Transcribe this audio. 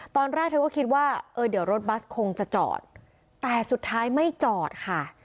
ตอนแรกเธอก็คิดว่าเออเดี๋ยวรถบัสคงจะจอดแต่สุดท้ายไม่จอดค่ะ